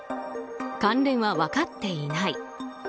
関連は分かっていない。